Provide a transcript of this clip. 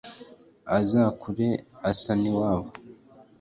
azakure asa n’iwabo